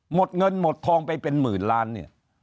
หมดเงินหมดทองไปเป็นหมื่นล้านเนี่ย